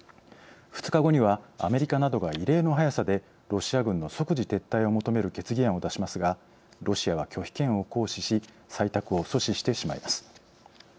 ２日後にはアメリカなどが異例の速さでロシア軍の即時撤退を求める決議案を出しますがロシアは拒否権を行使し採択を阻止してしまいます。